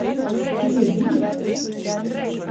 Kas ir Dīvs?